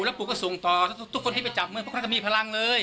แล้วปูก็ส่งต่อแล้วทุกคนที่ไปจับเมืองเพราะเขาก็มีพลังเลย